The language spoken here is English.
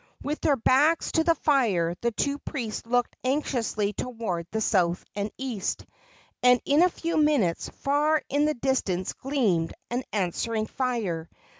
With their backs to the fire the two priests looked anxiously toward the south and east, and in a few minutes far in the distance gleamed an answering flame.